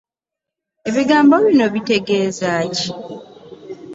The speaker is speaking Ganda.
Ebigambo bino bitgeezaki?